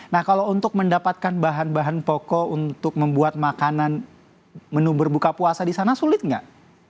nah kalau untuk mendapatkan bahan bahan pokok untuk membuat makanan menu berbuka puasa di sana sulit nggak